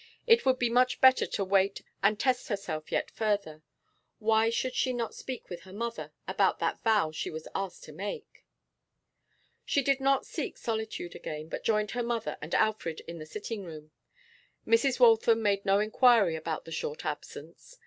It would be much better to wait and test herself yet further. Why should she not speak with her mother about that vow she was asked to make? She did not seek solitude again, but joined her mother and Alfred in the sitting room. Mrs. Waltham made no inquiry about the short absence.